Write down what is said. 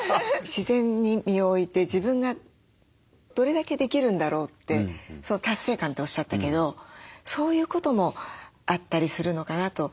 自然に身を置いて自分がどれだけできるんだろうって達成感っておっしゃったけどそういうこともあったりするのかなと。